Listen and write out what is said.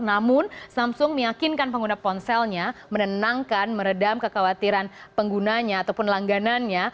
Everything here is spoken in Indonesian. namun samsung meyakinkan pengguna ponselnya menenangkan meredam kekhawatiran penggunanya ataupun langganannya